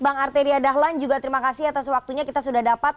bang arteria dahlan juga terima kasih atas waktunya kita sudah dapat